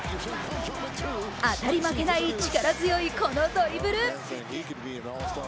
当たり負けない力強いこのドリブル。